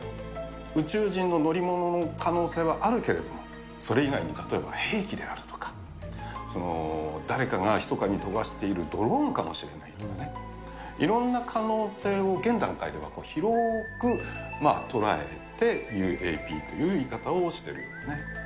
宇宙人の乗り物の可能性はあるけれども、それ以外に例えば兵器であるとか、誰かがひそかに飛ばしているドローンかもしれないとかね、いろんな可能性を現段階では広く捉えてＵＡＰという言い方をしてるんですね。